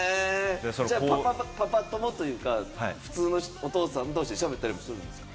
パパ友というか、普通のお父さん同士、喋ったりもするんですか？